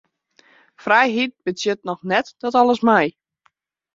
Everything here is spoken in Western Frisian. Frijheid betsjut noch net dat alles mei.